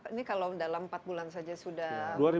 ini kalau dalam empat bulan saja sudah